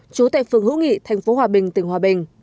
trú tại phường hữu nghị thành phố hòa bình tỉnh hòa bình